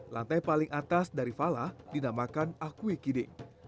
lantai paling atas dari fala dinamakan akwikiding